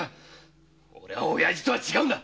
おれは親父とは違うんだ！